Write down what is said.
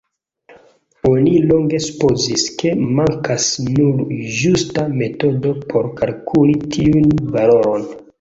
Oni longe supozis, ke mankas nur ĝusta metodo por kalkuli tiun valoron.